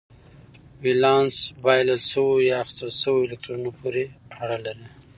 ولانس بایلل شوو یا اخیستل شوو الکترونونو پورې اړه لري.